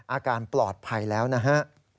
อาการปลอดภัยแล้วนะฮะ